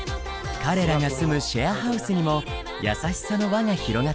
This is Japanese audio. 彼らが住むシェアハウスにも優しさの輪が広がっていきます。